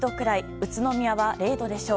宇都宮は０度でしょう。